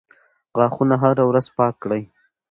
غاښونه هره ورځ پاک کړئ.